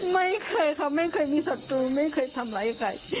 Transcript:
ไม่เคยค่ะไม่เคยมีศัตรูไม่เคยทำร้ายใคร